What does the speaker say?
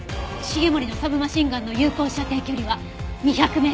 繁森のサブマシンガンの有効射程距離は２００メートル。